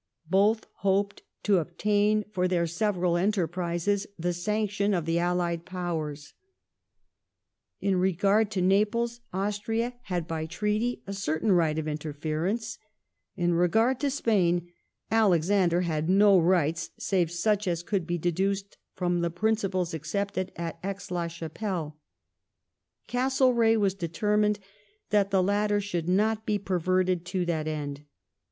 Both hoped to obtain for their several enterprises the sanction of the allied Powers. In regaixl te Naples, Austria had by treaty a cei tain right of interference ; in regard to Spain, Alexander had no rights save such as could be deduced from the principles accepted at Aix la Chapelle. Castle reagh was determined that the latter should not be perverted to that end.